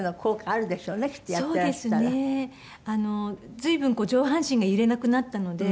随分上半身が揺れなくなったので。